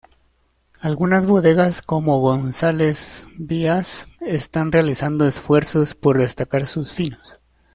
Algunas bodegas como González-Byass están realizando esfuerzos por destacar sus finos.